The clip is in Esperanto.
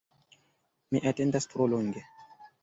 Mi atendas tro longe